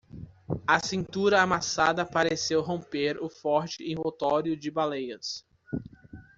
A cintura amassada pareceu romper o forte envoltório de baleias.